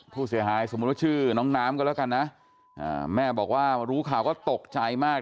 ผู้เสียหายสมมุติว่าชื่อน้องน้ำก็แล้วกันนะแม่บอกว่ารู้ข่าวก็ตกใจมาก